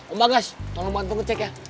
om bagas tolong bantu ngecek ya